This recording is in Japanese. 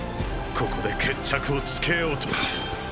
ここで決着をつけようと。